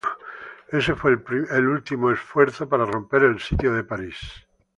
Este fue el último esfuerzo para romper el sitio de París.